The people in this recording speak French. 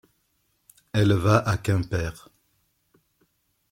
Elle va à Quimper.